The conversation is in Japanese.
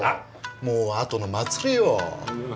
もうあとの祭りよ。